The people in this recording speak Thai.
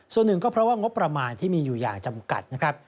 ส่วนหนึ่งก็เพราะว่างบประมาณที่มีอยู่อย่างจำกัดนะครับ